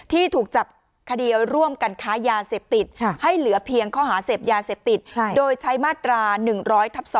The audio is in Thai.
ที่ถูกจับคดีร่วมกันค้ายาเสพติดให้เหลือเพียงข้อหาเสพยาเสพติดโดยใช้มาตรา๑๐๐ทับ๒